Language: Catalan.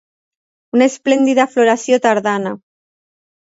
Una esplèndida floració tardana.